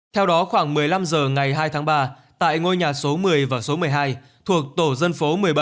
theo đó khoảng một mươi năm h ngày hai tháng ba tại ngôi nhà số một mươi và số một mươi hai thuộc tổ dân phố một mươi bảy